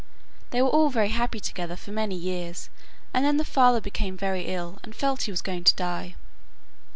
They were all very happy together for many years, and then the father became very ill, and felt he was going to die.